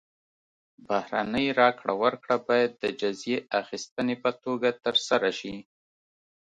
بهرنۍ راکړه ورکړه باید د جزیې اخیستنې په توګه ترسره شي.